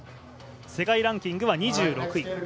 世界ランキングは２６位。